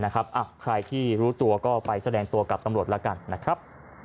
ใครที่รู้ตัวก็ไปแสดงตัวกับตำรวจแล้วกันนะครับ